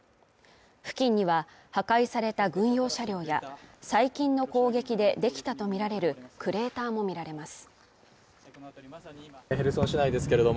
付近には破壊された軍用車両や最近の攻撃でできたとみられるクレーターも見られます。